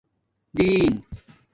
دین